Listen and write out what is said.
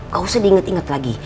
gak usah diinget inget lagi